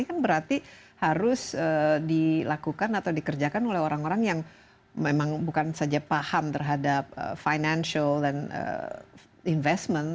ini kan berarti harus dilakukan atau dikerjakan oleh orang orang yang memang bukan saja paham terhadap financial dan investment